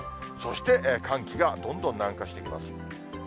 そして、寒気がどんどん南下してきます。